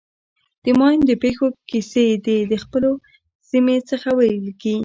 د ماین د پېښو کیسې دې د خپلې سیمې څخه ولیکي.